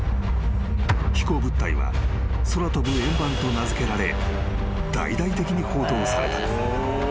［飛行物体は空飛ぶ円盤と名付けられ大々的に報道された］